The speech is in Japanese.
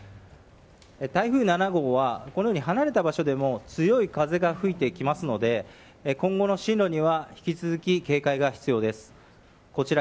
台風７号はこのように離れた場所でも強い風が吹いてきますので今後の進路には引き続き、警戒が必要です。